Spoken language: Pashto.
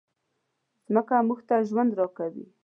مځکه موږ ته ژوند راکوي.